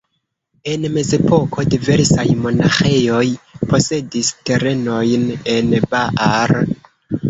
En mezepoko diversaj monaĥejoj posedis terenojn en Baar.